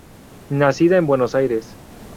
Nacida en Buenos Aires.